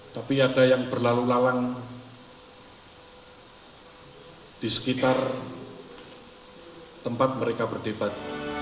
tapi ada yang berlalu lalang di sekitar tempat mereka berdebat